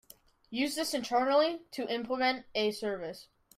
Use this internally to implement a service.